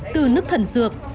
từ nước thần dược